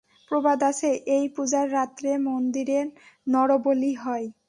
প্রবাদ আছে, এই পূজার রাত্রে মন্দিরে নরবলি হয়।